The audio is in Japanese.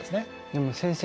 でも先生。